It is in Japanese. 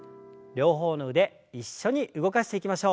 両方の腕一緒に動かしていきましょう。